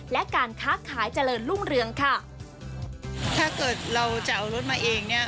และการค้าขายเจริญรุ่งเรืองค่ะถ้าเกิดเราจะเอารถมาเองเนี่ย